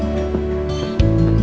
sampai jumpa lagi